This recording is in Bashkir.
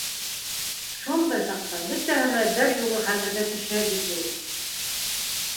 Шундай саҡта бөтәһе лә бер юлы хәтергә төшә бит ул...